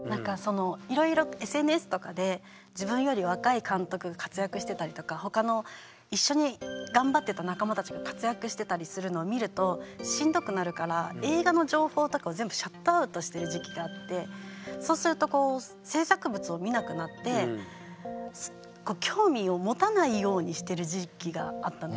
いろいろＳＮＳとかで自分より若い監督が活躍してたりとか他の一緒に頑張ってた仲間たちが活躍してたりするのを見るとしんどくなるからしてる時期があってそうすると制作物を見なくなって興味を持たないようにしてる時期があったんですね。